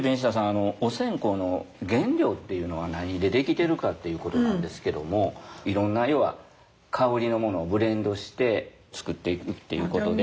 あのお線香の原料っていうのは何で出来てるかっていうことなんですけどもいろんな要は香りのものをブレンドして作っていくっていうことで。